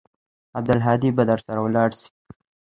عبدالهادي به درسره ولاړ سي.